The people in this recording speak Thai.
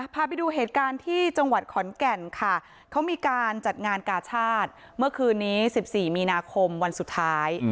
พาไปดูเหตุการณ์ที่จังหวัดขอนแก่นค่ะเขามีการจัดงานกาชาติเมื่อคืนนี้๑๔มีนาคมวันสุดท้าย